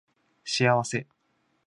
幸せ